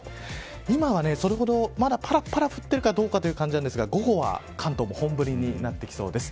今はそれほど、まだぱらぱら降っているかどうかという感じなんですが午後は関東も本降りになってきそうです。